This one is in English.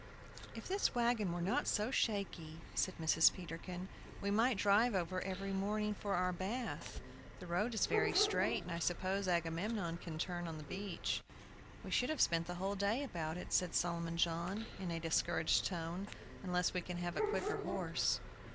"If this wagon were not so shaky," said Mrs. Peterkin "we might drive over every morning for our bath. The road is very straight, and I suppose Agamemnon can turn on the beach." "We should have to spend the whole day about it," said Solomon John, in a discouraged tone, "unless we can have a quicker horse."